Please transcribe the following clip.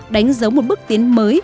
đánh dấu một bước tiến mới